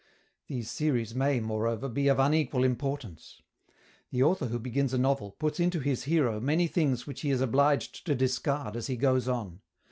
These series may, moreover, be of unequal importance. The author who begins a novel puts into his hero many things which he is obliged to discard as he goes on.